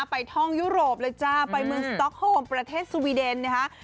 ไปท่องยุโรปเลยจ้าไปเมืองสต๊อกโฮมประเทศสวีเดนนะคะ